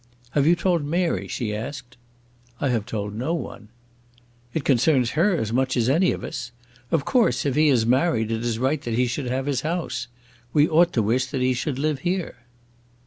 "Have you told Mary?" she asked. "I have told no one." "It concerns her as much as any of us. Of course, if he has married, it is right that he should have his house. We ought to wish that he should live hero."